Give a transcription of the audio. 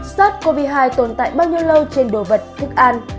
sars cov hai tồn tại bao nhiêu lâu trên đồ vật thức an